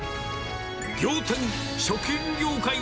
仰天！